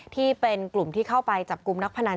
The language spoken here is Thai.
ที่เป็นกลุ่มที่เข้าไปจับกลุ่มนักพนัน